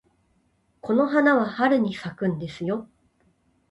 この花は春に咲くんですよ。